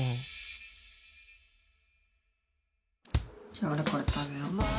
じゃあおれこれ食べよう。